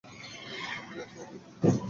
তুমিও তো অনেক কিউট।